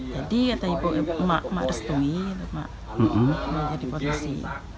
jadi mak restuni mak jadi polisi